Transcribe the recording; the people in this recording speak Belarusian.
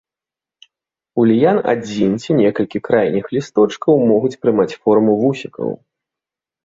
У ліян адзін ці некалькі крайніх лісточкаў могуць прымаць форму вусікаў.